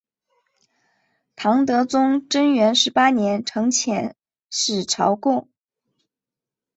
唐德宗贞元十八年曾遣使朝贡。